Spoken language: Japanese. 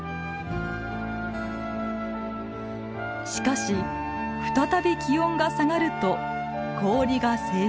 しかし再び気温が下がると氷が成長。